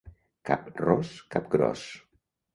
Cap ros, cap gros.